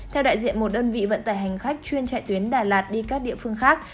theo đại diện một đơn vị vận tải hành khách chuyên chạy tuyến đà lạt đi các địa phương khác